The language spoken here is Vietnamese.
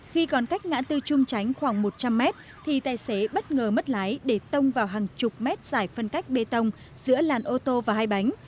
khi còn cách ngã tư trung tránh khoảng một trăm linh mét thì tài xế bất ngờ mất lái để tông vào hàng chục mét giải phân cách bê tông giữa làn ô tô và hai bánh